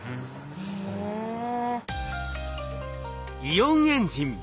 イオンエンジン